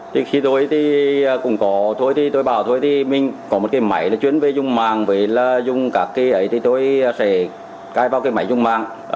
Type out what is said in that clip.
thì khi tôi thì cũng có thôi thì tôi bảo thôi thì mình có một cái máy là chuyên về dùng mạng với là dùng các cái ấy thì tôi sẽ cai vào cái máy dùng mạng